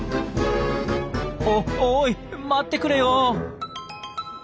「おおい待ってくれよ！」。